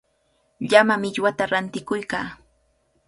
Llama millwata rantikuykaa.